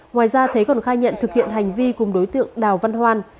ngoài ra thế còn khai nhận thực hiện hành vi cùng đối tượng đào văn hoan